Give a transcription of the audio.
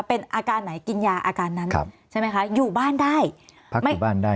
เป็นอาการไหนกินยาอาการนั้นใช่ไหมคะอยู่บ้านได้พักอยู่บ้านได้